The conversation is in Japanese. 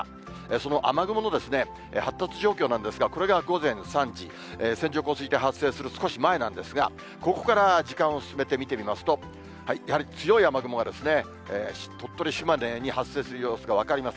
その雨雲の発達状況なんですが、これが午前３時、線状降水帯発生する少し前なんですが、ここから時間を進めて見てみますと、やはり強い雨雲が鳥取、島根に発生する様子が分かります。